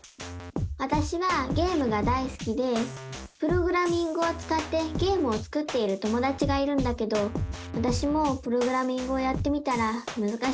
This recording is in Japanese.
わたしはゲームがだいすきでプログラミングをつかってゲームを作っている友だちがいるんだけどわたしもプログラミングをやってみたらむずかしくて。